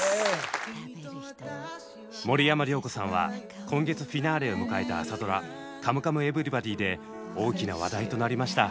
森山良子さんは今月フィナーレを迎えた朝ドラ「カムカムエヴリバディ」で大きな話題となりました。